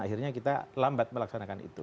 akhirnya kita lambat melaksanakan itu